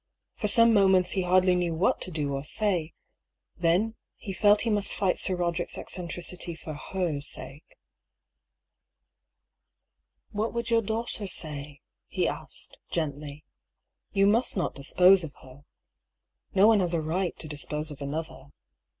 For some moments he hardly knew what to do or say ; then he felt he must fight Sir Roderick's eccentricity for her sake. " What would your daughter say ?'* he asked, gently. " You must not dispose of her. No one has a right to dispose of another.